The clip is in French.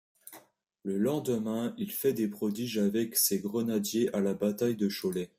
Le lendemain, il fait des prodiges avec ses grenadiers à la bataille de Cholet.